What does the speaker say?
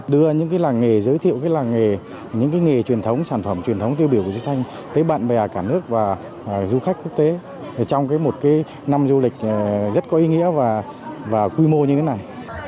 các sản phẩm nghề truyền thống sản phẩm truyền thống tiêu biểu của dư thanh tới bạn bè cả nước và du khách quốc tế trong một năm du lịch rất có ý nghĩa và quy mô như thế này